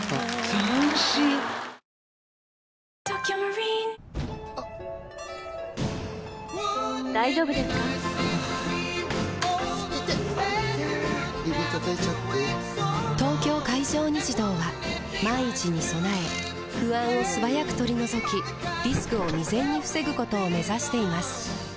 指たたいちゃって・・・「東京海上日動」は万一に備え不安を素早く取り除きリスクを未然に防ぐことを目指しています